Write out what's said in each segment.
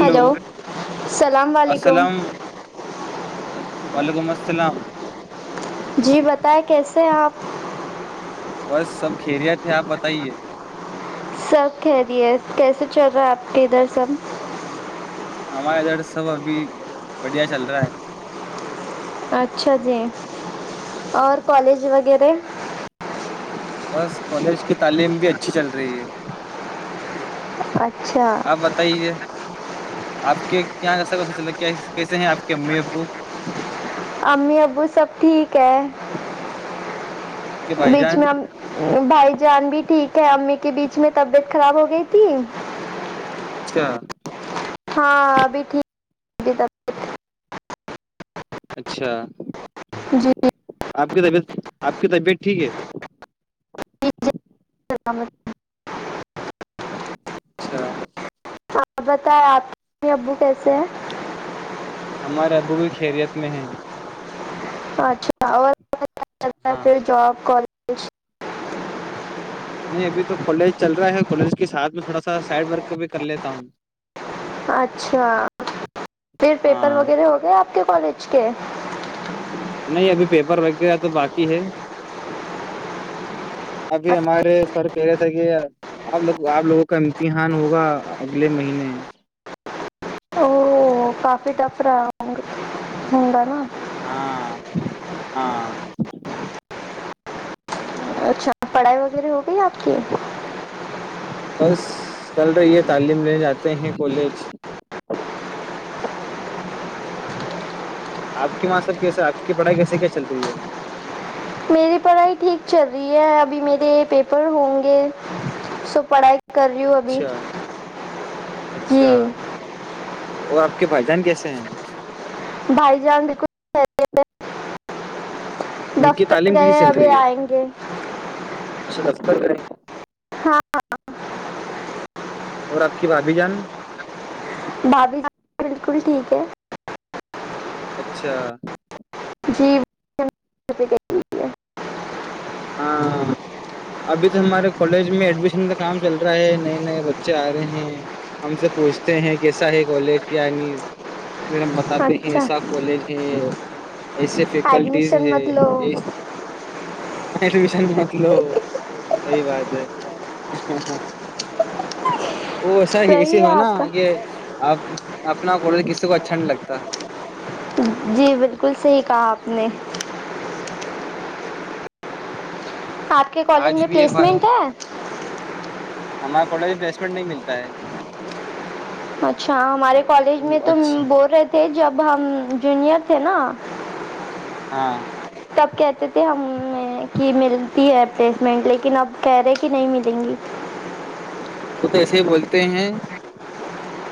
hello سلام و ععلیکم السلام وعلیکم السلام جی بتائیں کیسے ہیں آپ بس سب کھیریا تھے آپ بتائیے سب خیری ہےت کیسے چل رہا ہے آپ کے ا دھر سب ہمارا ادھر سب ابھی بڑھیا چل رہا ہے اچھا جی اور کالج وغیرہ بس کالج کی تعلیم بھی اچھی چل رہی ہے اچھا آپ بتائیے آپ کے کیااں کا سبس چ کیسے ہیں آپ کے امی ابو امی ابو سب ٹھیک ہے آپ کے بھائی بیچ جان میں ہم بھائی جان بھی ٹھیک ہے امی کے بیچ میں طبیعت خراب ہو گئی تھی ہ [unintelligible] ہاں ہ ابھی ٹھیک اچھا جی آپ کی طبیعت آپ کی طبیعت ٹھیک ہے السلام علیکم اچھا ہاں بتائے آپ کے ابو کیسے ہے ہمارے ابو بھی خیریت میں ہیں اچھا اور ہاں ھر جاب کال خش نہیں ابھی تو کالج چل رہا ہے کالج کے سھ میں تھوڑا سا سائڈ ورک بھی کر لیتا ہوں اچھا پھر پیپر ہاں وغیرہ ہو گئے آپ کالج کے نہیں ابھی پیپر وغیرہ تو باقی ہے ابھی اچھا ہمارے سر کہہ رہے تھے کہ آپ لوگ آپ لوگوں کا امتحان ہوگا اگلے مہینے اور کافی ٹف رہ ہوںگ نا ہاں ہاں اچھا پڑھائی وغیرہ ہو گئی آپ کی بس چل رہی ہے تعلیم لینے جاتے ہیں کالج [inaudible] آپ کی ماں سب کیسے آپ کی پڑھائی کیسے کیا چل رہی ہے میری پڑھائی ٹھیک چل رہی ہے ابھی میرے پیپر ہوں گے سو پڑھائی کر رہی ہوں ابھی اچھا اچھا جی اور آپ کے بھائی جان کیسے ہیں ہائی جان دو [unintelligible] ان کی تعلیم کسی چل رہی ہے اچھا دفترے ہھاں [unintelligible] اور آپ کی بھاابھی جان بابی ج بالکل ٹھیک ہے اچھا جی [inaudible] ہاں ابھی تو ہمارے کالج میں ایڈمیشن کا کام چل رہا ہے نئے نئے بچے آ رہے ہیں ہم سے پوچھتے ہیں کیسا ہے کالج یا نہیں پھر ہم بتے ہیں اچھا ایسا کالج کہ ایسے فیکلٹیز ایڈمیشن ہے مت لو ایڈشن متلو سی بات ہے ہ ہ ہ ہ [inaudible] وہ سر ایسی صحیح ہے ہو نا آپ کا کہ آ اپنا گ کسی کو اچھا نہیں لگتا نہیں آپ کے کالج آج میں بھی ایک بھائی پلیسمنٹ ہے ہمارا کالج میں پلیسمنٹ نہیں ملتا ہے اچھا ہمارے کالج میں وہ تو اچھا بول رہے تھے جب اب ہم جونیئر تھے نا ہاں تب کہتے تھے ہم کہ ملتی ہے ر پلیسمنٹ لیکن اب کہہ رہے کہ نہیں ملیں گی وہ تو ایسے ہی بولتے ہیں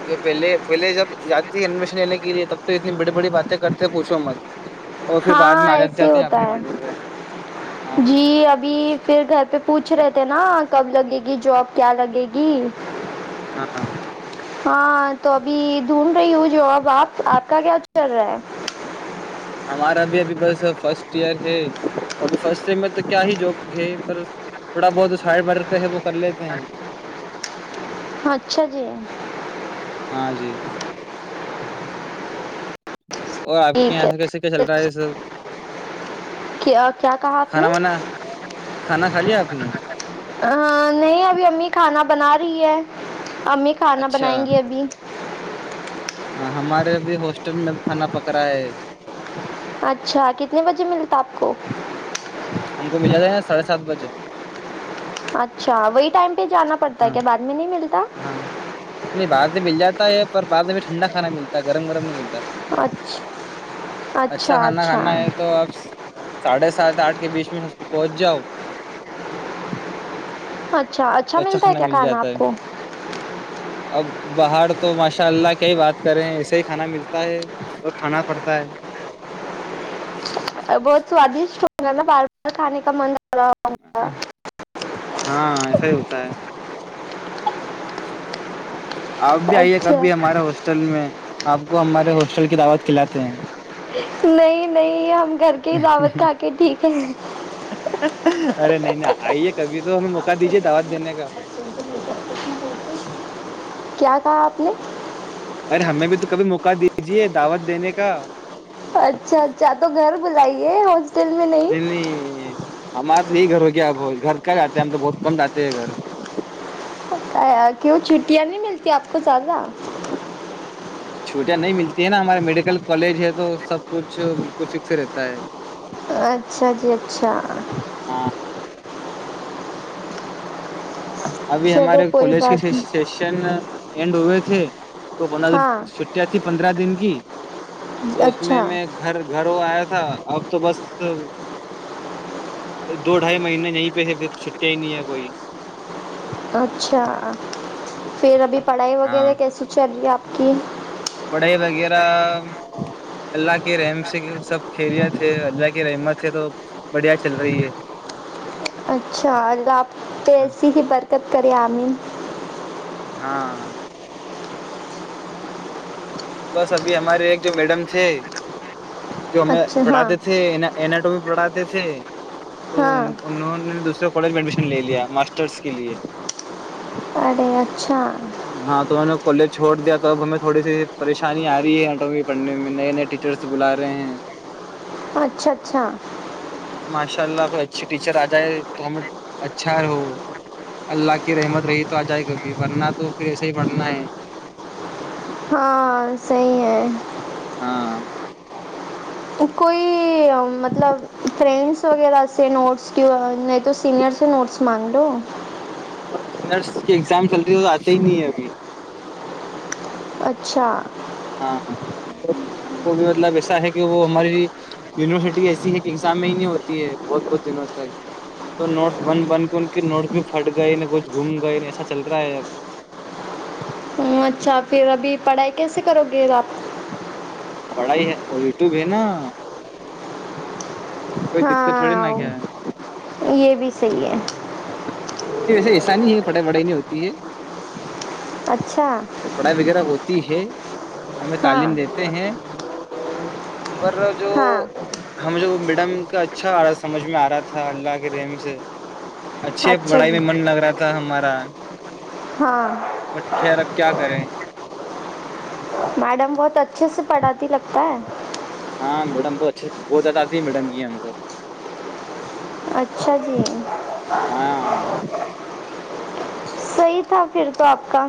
کہ پہلے پہلے جب جاتی ہے ایڈمیشن لینے کے لیے تب تو اتنی بڑی بڑی باتیں کرتے ہیں پوچھو مت اور پھر بعد ہاں میں آ ایسے جاتے ہیں ہوتا اپنے والے پہ ہاں ہے جی ابھی پھر گھر پہ پوچھ رہے تھے نا کب لگے گی جاب کیا لگے گی ہاں ہاں تو ابھی ڈھونڈھ رہی ہوں جو اب آپ آپ کا کیا چل رہا ہے ہمارا بھی ابھی بس فرسٹ ایئر ہے ابھی فرسٹ ایئر میں تو کیا ہی جاب ہے پر تھوڑا بہت ہارڈ ورک ہے وہ کر لیتے ہیں اچھا جی ہاں جی اور آپ کے ٹھیک یہاں ہے سے کیسے کیا چل رہا ہے یہ سب کیا کیا کہا آپ نے کھانا وانا کھانا کھا لیا آپ نے ہ نہیں ابھی امی کھانا بنا رہی ہے امی کھانا اچھا بنائیں گی ابھی ہاں ہمارے ابھی ہاسٹل میں کھانا پک رہا ہے اچھا کتنے بجے ملتا آپ کو ہم کو ملا جائے نا ساڑھے سات بجے اچھا وہی ٹائم پہ جانا پڑتا ہے ہاں کیا بعد میں نہیں ملتا ہاں نہیں بعد میں مل جاتا ہے پر بعد میں ٹھنڈا کھانا ملتا گرم گرم نہیں ملتا اچھا اچھا کھانا کھانا ہے تو آپ ساڑھے سات آٹھ کے بیچ میں بجاؤ اچا اچھا اچھا ملتا ہے کیا کھانا آپ ہے کو اب باہر تو ماشاء اللہ کی ہی بات کریں ایسے ہی کھانا ملتا ہے اور کھانا پڑتا ہے بہت سوادش بار بار کھان کا من کر رہا ہوگا ہاں ایسا ہی ہوتا ہے آپ بھی آئیے کب اچھا بھی ہمارے ہاسٹل میں آپ کو ہمارے ہاسٹل کی دعوت کھلاتے ہیں نہیں نہیں ہم گھر کے ہی دعوت کھا کے ٹھیک ہے ارے نہیں نہیں آئیے کبھی تو ہمیں موقع دیجیے دعوت دینے کا ہی ارے ہمیں بھی تو کبھی موقع دیجیے دعوت دینے کا اچھا اچھا تو گھر بلائیے اور ننی ہمار تو یہی گھر ہو گیا ب گھر کا جاتے ہیں ہم تو بہت کم جاتے ہیں گھر کیوں چھٹیاں نہیں ملتی آپ کو زیادہ چھوٹیاں نہیں ملتی ہے نا ہمارے میڈیکل کالج ہے تو سب کچھ بالکل فکس رہتا ہے اچھا جی اچھا ہاں ابھی چلو ہمارے کوئی کالج کے بات نہیں سیشن اینڈ ہوئے تھے تو پندرہ دن ہاں چھٹیاں تھی پندرہ دن کی تو اس میں اچھا میں گھر گھروں آیا تھا اب تو بس دو ڈھائی مہنے یہیں پہ ہے پھر چھٹیاں ہی نہیں ہے کوئی اچھا پھر ابھی پڑھائی وغیرہ ہاں کیسیے چل گ آپ کی پڑھائی وغیرہ اللہ کے رحم سے سب خیریت ہے اللہ رحمت ہے تو بڑھیا چل رہی ہے اچھا اگر آپ پ ہے ایسی ہی برکت کرے عامین ہاں بس ابھی ہمارے ایک جو میڈم تھے جو ہمیں اچھا ہاں پڑھاتے تھے ایٹو میں پڑھاتے تھے تو ہاں انہوں نے دوسرے کالج میں ایڈشن لے لیا ماسٹرس کے لیے ارے اچھا ہاں تو میں نے کالج چھوڑ دیا توب ہمیں تھوڑی سی پریشانی آ رہی ہے آٹھویں پڑھنے میں نئے نئے ٹیچرس بلا رہے ہیں اچھا اچھا ماشاء اللہ اچھی ٹیچر آ جائے تو ہم اچھا ہو اللہ کی رحمت رہی تو آ جائے کبھی ورنہ تو تو پھر ایسے ہی بڑنا ہے ہاں صحی ہے ہاں کوئی مطلب فرینڈس وغیرہ سے نوٹس کی نہیں تو سینئر سے نوٹس مانگ لو رس کی ایگزام چلتی ہے تو آتے ہی نہیں ہے ابھی اچھا ہاں ان کو بھی مطلب ایسا ہے کہ وہ ہماری یونیورسٹی ایسی ہے کہ ایگزام میں ہی نہیں ہوتی ہے بہت بہت دنوں تک تو نوٹس بند بند کے ان کے نوٹس بھی پھٹ گئے ن کچھ گھوم گئے ایسا چل رہا ہے اب اچھا پھر ابھی پڑھائی کیسے کرو گے آپ پڑھائی ہے اور یوٹیوب ہے نا کوئی دقت تھوڑی نہ ہاں کیا ہے یہ بھی صحیح ہے ہاں نہیں ویسے ایسانی ہے پٹائی بڑھائی نہیں ہوتی ہے تچ پڑھائی وغیرہ ہوتی ہے ہمیں تعلیم ہاں دیتے ہیں پر جو ہاں ہمیں جو میڈم کا اچھا آ سمجھ میں آ رہا تھا اللہ کے رحم سے اچھے اچھا پڑائی جی میں من لگ رہا تھا ہمارا ہاں بٹ خ میڈم بہت اچھے سے پڑھاتی لگتی ب ہاں میڈم بہت اچھ بہت زدی میڈم کی ہے ہم کو اچھا جی ہاں صی تھا پھر تو آپ کا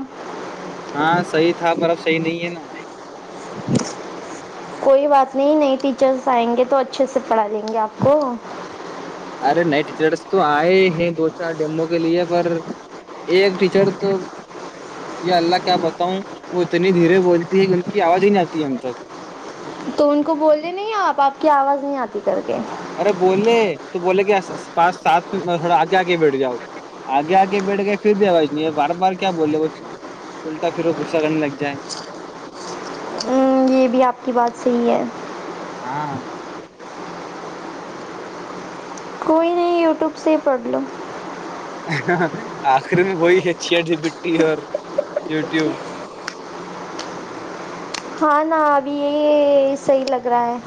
ہاں صحیح تھا برف صحیح نہیں ہے نا کوئی بات نہیں نہیں ٹیچرس آئیں گے تو اچھے سے پڑھا دیں گے آپ کو ارے نئے ٹیچرس تو آئے ہیں دو چار ڈمبو کے لیے پر ایک ٹیچر تو یہ اللہ کیا بتاؤں وہ اتنی دھیرے بولتی ہے کہ ان کی آواز ہی نہیں آتی ہم تک تو ان کو بولنے نہیں آپ آپ کی آواز نہیں آتی کر کے ارے بولے تو بولے کہ پانچ سات تھوڑا آگے آ کے بیٹھ جاؤ آگے آگ بیٹھ گئے پھر بھی آواز نہیں ہے بار بار کیا بولے وہ الٹا پھر وہ گغصہ کرنے لگ جائے یہ بھی آپ کی بات صحیح ہے ہاں کوئی نہیں یوٹیوب سے پڑھ لو آخری میں وہی اچھی اچھی مٹی اور یوٹیوب ہاں ن ابھی یہ صحی لگ رہا ہے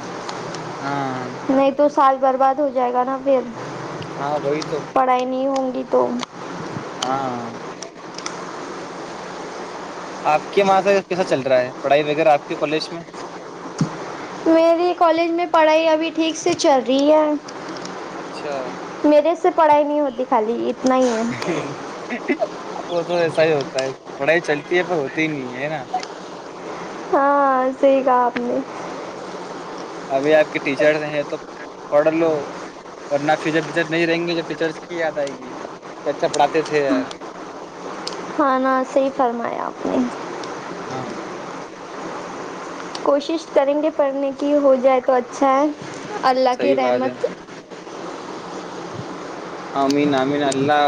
ہاں نہیں تو سال برباد ہو جائے گا نا پھر ہاں وہی تو پڑھائی نہیں ہوں گی تو ہاں آپ کے وہاں سے کیسا چل رہا ہے پڑھائی وغیرہ آپ کے کالج میں میرے کالج میں پڑھائی ابھی ٹھیک سے چل رہی اچھا ہے میرے سے پڑھائی نہیں ہوتی خالی اتنا ہی ہے وہ تو ایسا ہی ہوتا ہے پڑھائی چلتی ہے پر ہوتی ہی نہیں ہے نا ہاں صحی کہپ نے ابھی آپ کے ٹیچرس ہیں تو پڑھ لو ورنہ فیچر فیچر نہیں رہیں گے جو ٹیچرس کی یاد آئے گی کہ اچھا پڑھاتے تھے یار ہ ن صحی فرمایا آپ نے ہاں کوشش کریں گے پڑھنے کی ہو جائے تو اچھا ہے اللہ کی صحیح بات ہے رحمت آمین آمین اللہ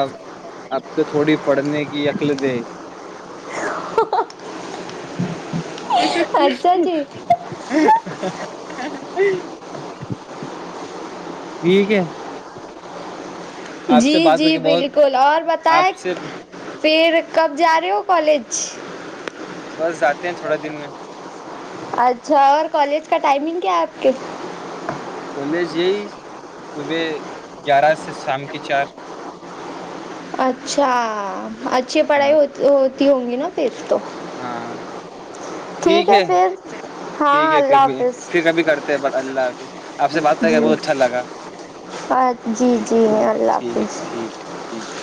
آپ کو تھوڑی پڑھنے کی عقل د ہے بہار اچھا کی اوج جی عا رہی ہے ٹھیک ہے آپ سے جی بات جی کر کے بہت بالکل اور آپ بتائےیں سے پھر کب جا رہے ہو کالج بس جاتے ہیں تھوڑا دن میں اچھا اور کالج کا ٹائمنگ کیا آپ کے کالج یہی صبح گیارہ سے شام کے چار اچھا اچھی پڑھائی ہاں ہو ہو ہووں گی نہ پھر تو ہاں ٹھیک ہے ہاں ٹھیک ہے اللہ پھر بھی پھر حافظ کبھی کرتے ہیں ب اللہ حافظ آپ سے بات کر کے جی بہت اچھا لگا آ- جی ٹھیک ہے جی اللہ ٹھیک ہے حافظ ٹھیک ہے ٹھیک ہے